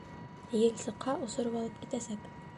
— Ел сыҡһа, осороп алып китәсәк.